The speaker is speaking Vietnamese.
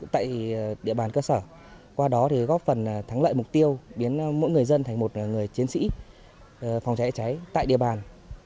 tại địa bàn cơ sở qua đó thì góp phần thắng lợi mục tiêu biến mỗi người dân thành một người chiến sĩ phòng cháy cháy tại địa bàn